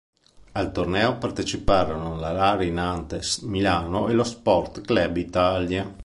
Al torneo partecipano la Rari Nantes Milano e lo Sport Club Italia.